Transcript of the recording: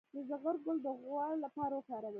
د زغر ګل د غوړ لپاره وکاروئ